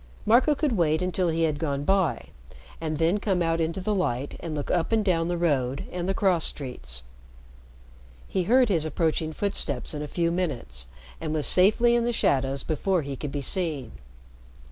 Marco could wait until he had gone by, and then come out into the light and look up and down the road and the cross streets. He heard his approaching footsteps in a few minutes, and was safely in the shadows before he could be seen.